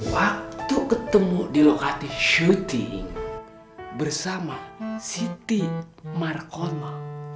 waktu ketemu di lokasi syuting bersama siti markono